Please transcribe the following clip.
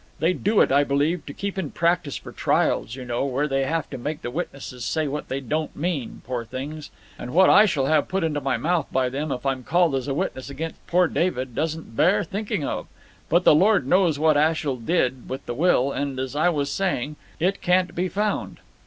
They do it, I believe, to keep in practice for trials, you know, where they have to make the witnesses say what they don't mean, poor things. And what I shall have put into my mouth by them, if I'm called as a witness against poor David, doesn't bear thinking of. But the Lord knows what Ashiel did with the will, and, as I was saying, it can't be found."